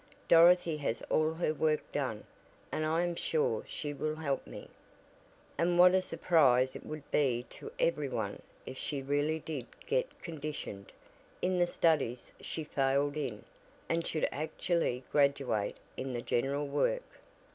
"Dorothy has all her work done, and I am sure she will help me." And what a surprise it would be to every one if she really did get "conditioned" in the studies she failed in, and should actually graduate in the general work.